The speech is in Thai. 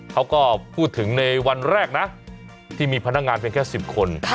เขาก็พูดถึงในวันแรกนะที่มีพนักงานเพียงแค่๑๐คน